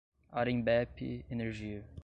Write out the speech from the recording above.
Arembepe Energia